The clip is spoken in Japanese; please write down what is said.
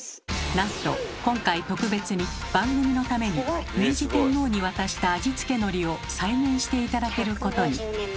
なんと今回特別に番組のために明治天皇に渡した味付けのりを再現して頂けることに。